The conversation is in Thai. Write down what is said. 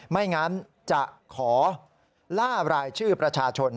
ไม่งั้นจะขอล่ารายชื่อประชาชน